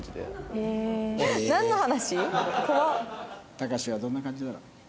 たかしはどんな感じだろう？